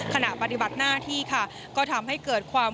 ขณะปฏิบัติหน้าที่ค่ะก็ทำให้เกิดความ